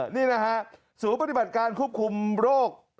นี่นะฮะศูนย์ปฏิบัติการควบคุมโรค